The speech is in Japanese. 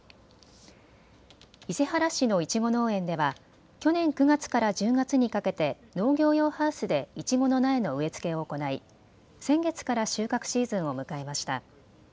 伊勢原市のいちご農園では去年９月から１０月にかけて農業用ハウスでいちごの苗の植え付けを行い先月から収穫シーズンを迎えました。